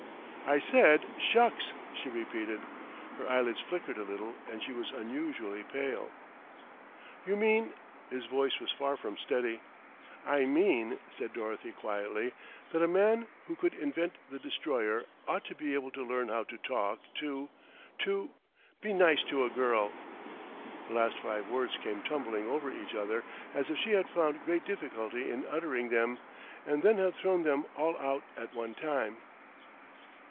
"I said 'shucks'" she repeated. Her eyelids flickered a little and she was unusually pale. "You mean " His voice was far from steady. "I mean," said Dorothy quietly, "that a man who could invent the Destroyer ought to be able to learn how to talk to to be nice to a girl." The last five words came tumbling over each other, as if she had found great difficulty in uttering them, and then had thrown them all out at one time.